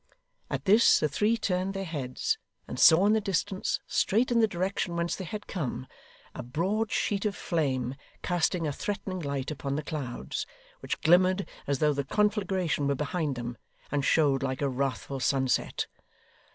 At this, the three turned their heads, and saw in the distance straight in the direction whence they had come a broad sheet of flame, casting a threatening light upon the clouds, which glimmered as though the conflagration were behind them, and showed like a wrathful sunset.